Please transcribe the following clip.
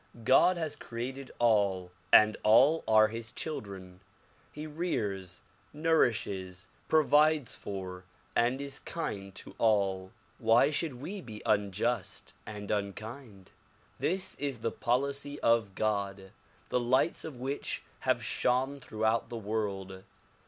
God has created all and all are his children. He rears, nourishes, provides for and is kind to all. Why should we be un just and unkind? This is the policy of God, the lights of which have shone throughout the world.